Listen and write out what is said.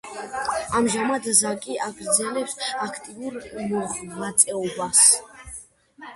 ამჟამად ზაკი აგრძელებს აქტიურ მოღვაწეობას.